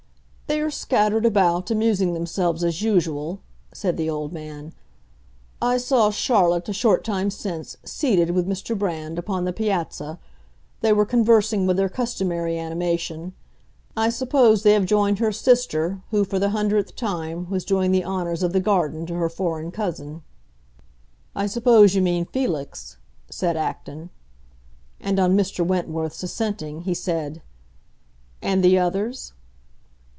"They are scattered about, amusing themselves as usual," said the old man. "I saw Charlotte, a short time since, seated, with Mr. Brand, upon the piazza. They were conversing with their customary animation. I suppose they have joined her sister, who, for the hundredth time, was doing the honors of the garden to her foreign cousin." "I suppose you mean Felix," said Acton. And on Mr. Wentworth's assenting, he said, "And the others?"